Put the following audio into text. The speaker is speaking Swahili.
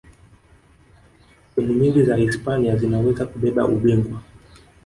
timu nyingi za hispania zinaweza kubeba ubingwa